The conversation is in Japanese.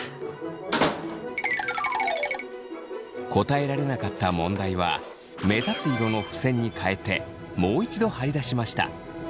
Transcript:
答えられなかった問題は目立つ色のふせんにかえてもう一度貼り出しました。